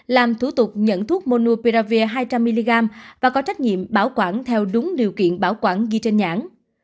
làm thủ tục nhận thuốc monu pravir hai trăm linh mg và có trách nhiệm bảo quản theo đúng điều kiện bảo quản ghi trên nhãn